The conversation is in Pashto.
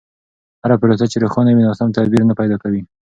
هره پروسه چې روښانه وي، ناسم تعبیر نه پیدا کوي.